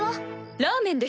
ラーメンです。